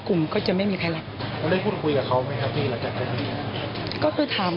เขาบอกว่าเขาไม่ได้ส่วนแม่แรกเลยเขาก็มาน่าจะมาขวาสุด